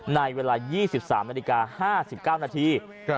ในเวลา๒๓นาฬิกา๕๙นาที